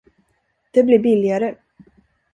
Det blir billigare.